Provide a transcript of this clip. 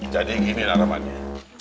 jadi gini naramannya